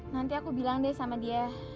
nanti aku bilang deh sama dia